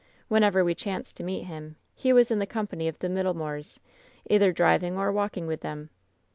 Whenever we chanced to meet him, he was in the company of the Middlemoors, either driving or walking with them.